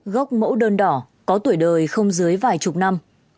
gốc mẫu đơn đỏ có tuổi đời không dưới vài chục năm